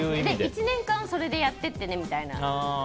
で、１年間それでやってってねみたいな。